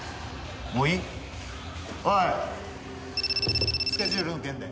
おいスケジュールの件で。